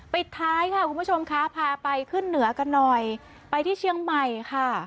ปิดท้ายค่ะคุณผู้ชมค่ะพาไปขึ้นเหนือกันหน่อยไปที่เชียงใหม่ค่ะ